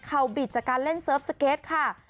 เขาบิดจากการเล่นเซิร์ฟสเก็ตค่ะ